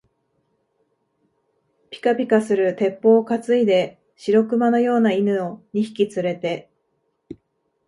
ぴかぴかする鉄砲をかついで、白熊のような犬を二匹つれて、